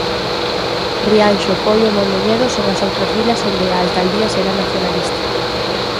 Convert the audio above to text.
Rianxo, Poio e Mondoñedo son as outras vilas onde a alcaldía será nacionalista.